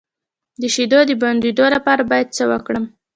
د شیدو د بندیدو لپاره باید څه وکړم؟